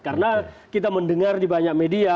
karena kita mendengar di banyak media